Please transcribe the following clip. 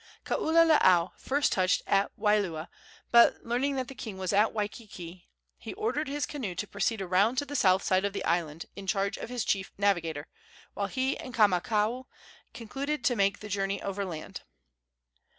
Kaululaau first touched at Waialua, but, learning that the king was at Waikiki, he ordered his canoe to proceed around to the south side of the island in charge of his chief navigator, while he and Kamakaua concluded to make the journey overland.